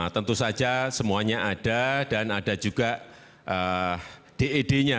tentu saja semuanya ada dan ada juga ded nya